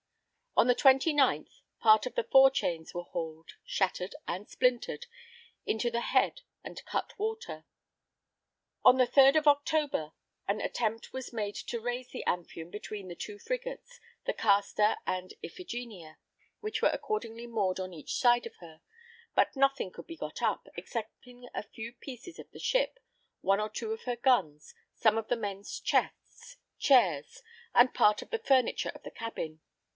On the twenty ninth, part of the fore chains was hauled, shattered and splintered, also the head and cut water. On the 3d of October an attempt was made to raise the Amphion, between the two frigates, the Castor and Iphigenia, which were accordingly moored on each side of her; but nothing could be got up, excepting a few pieces of the ship, one or two of her guns, some of the men's chests, chairs, and part of the furniture of the cabin.